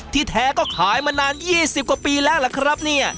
แท้ก็ขายมานาน๒๐กว่าปีแล้วล่ะครับเนี่ย